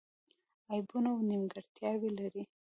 عیبونه او نیمګړتیاوې لري.